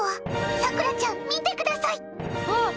さくらちゃん、見てください！